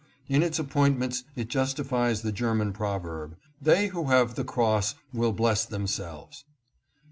In its appointments it justifies the German proverb, " They who have the cross will bless themselves."